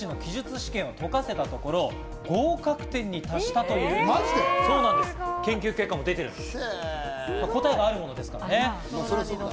試験を解かせたところ、合格点に達したという研究結果が出ているんです。